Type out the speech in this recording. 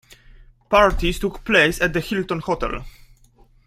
Parties took place at the Hilton Hotel.